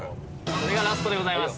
これがラストでございます。